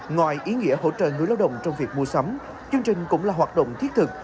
ngoài ý nghĩa hỗ trợ người lao động trong việc mua sắm chương trình cũng là hoạt động thiết thực